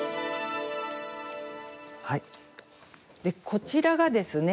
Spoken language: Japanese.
こちらがですね